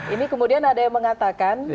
ini kemudian ada yang mengatakan